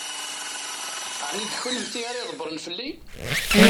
Ɛni d kennemti ara ydebbṛen fell-i?